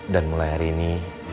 dan mulai hari ini